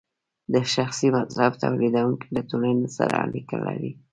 د شخصي مصرف تولیدونکی له ټولنې سره اړیکه نلري